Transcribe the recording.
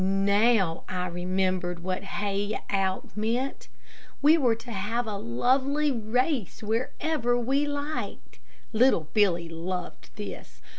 Now I remembered what "hie out" meant. We were to have a lovely race wherever we liked. Little Billy loved this.